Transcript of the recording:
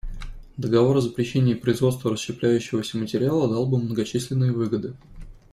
Договор о запрещении производства расщепляющегося материала дал бы многочисленные выгоды.